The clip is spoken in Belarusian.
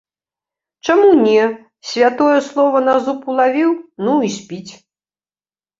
Чаму не, святое слова на зуб улавіў, ну, і спіць.